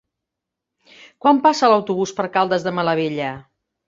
Quan passa l'autobús per Caldes de Malavella?